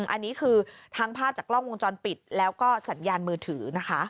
อันนี้คือทั้งภาพจากกล้องวงจรปิดแล้วก็สัญญาณมือถือนะคะ